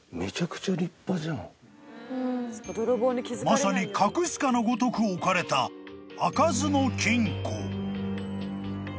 ［まさに隠すかのごとく置かれた開かずの金庫］